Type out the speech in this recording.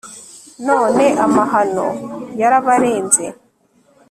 none amahano yarabarenze